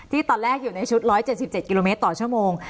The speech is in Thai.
ตอนแรกอยู่ในชุด๑๗๗กิโลเมตรต่อชั่วโมง